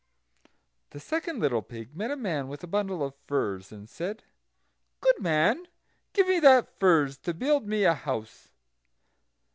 The second little pig met a man with a bundle of furze, and said: "Good man, give me that furze to build me a house."